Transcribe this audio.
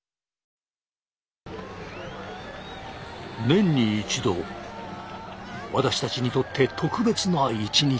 年に一度私たちにとって特別な一日。